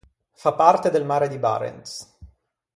Fa parte del mare di Barents.